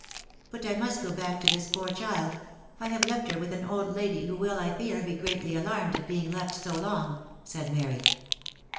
u But I must go back to this poor child ; I have left her with an old lady, who will, I fear, be greatly alarmed at being left so long," said Mary.